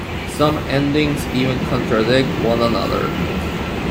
Some endings even contradict one another.